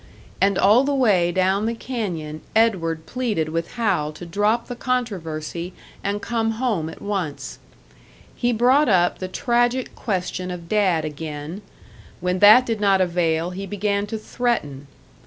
And all the way down the canyon Edward pleaded with Hal to drop the controversy and come home at once. He brought up the tragic question of Dad again; when that did not avail, he began to threaten.